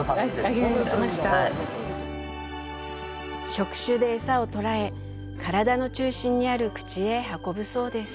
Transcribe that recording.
触手で餌をとらえ体の中心にある口へ運ぶそうです。